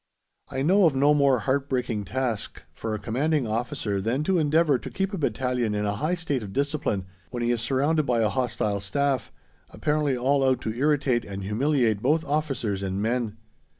I know of no more heart breaking task for a Commanding Officer than to endeavour to keep a battalion in a high state of discipline when he is surrounded by a hostile staff, apparently all out to irritate and humiliate both officers and men.